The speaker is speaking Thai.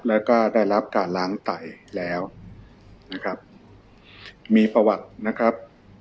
แล้วก็ได้รับการล้างไตแล้วนะครับมีประวัตินะครับ